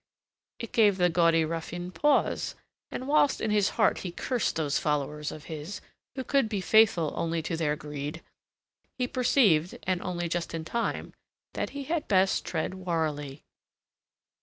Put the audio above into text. It gave the gaudy ruffian pause, and whilst in his heart he cursed those followers of his, who could be faithful only to their greed, he perceived and only just in time that he had best tread warily.